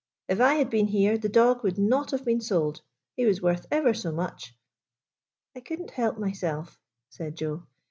" If I had been here, the dog would not have been sold. He was worth ever so much." " I could n't help myself," said Joe.